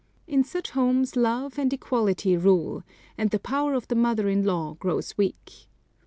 In such homes love and equality rule, and the power of the mother in law grows weak.